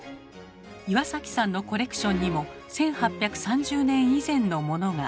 岩崎さんのコレクションにも１８３０年以前のモノが。